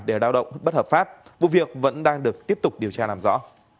để lao động bất hợp pháp vụ việc vẫn đang được tiếp tục điều tra làm rõ